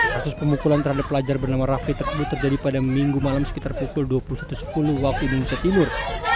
kasus pemukulan terhadap pelajar bernama raffi tersebut terjadi pada minggu malam sekitar pukul dua puluh satu sepuluh waktu indonesia timur